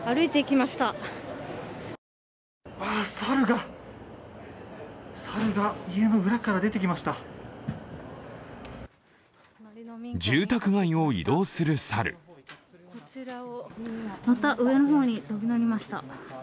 また上の方に飛び乗りました。